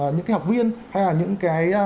những cái học viên hay là những cái